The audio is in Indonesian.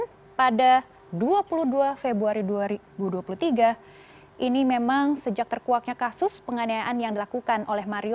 dan pada dua puluh dua februari dua ribu dua puluh tiga ini memang sejak terkuaknya kasus penganayaan yang dilakukan oleh mario